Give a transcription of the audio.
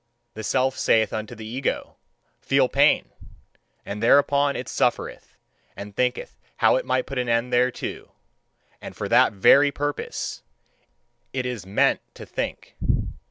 The Self saith unto the ego: "Feel pain!" And thereupon it suffereth, and thinketh how it may put an end thereto and for that very purpose it IS MEANT to think.